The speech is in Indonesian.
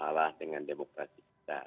masalah dengan demokrasi kita